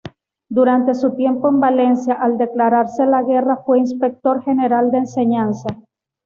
Durante su tiempo en Valencia al declararse la guerra fue inspector general de enseñanza.